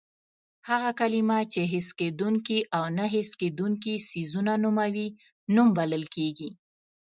هغه کلمه چې حس کېدونکي او نه حس کېدونکي څیزونه نوموي نوم بلل کېږي.